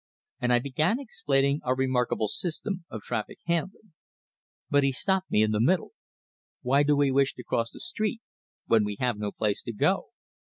And I began explaining our remarkable system of traffic handling. But he stopped me in the middle. "Why do we wish to cross the street, when we have no place to go?"